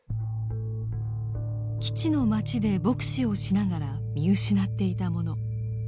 基地の街で牧師をしながら見失っていたもの。